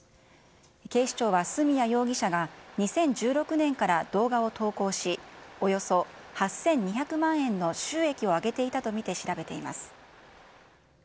警視庁は角谷容疑者が２０１６年から動画を投稿し、およそ８２００万円の収益を上げていたと見て、調べています。